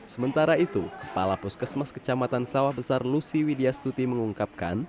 sementara itu kepala puskesmas kecamatan sawah besar lusi widya stuti mengungkapkan